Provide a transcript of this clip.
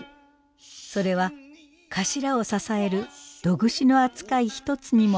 それは頭を支える胴串の扱い一つにも表れます。